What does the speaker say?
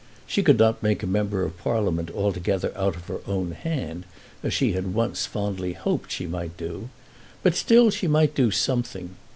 She could not make a Member of Parliament altogether out of her own hand, as she had once fondly hoped she might do; but still she might do something.